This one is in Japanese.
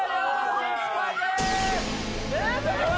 失敗です。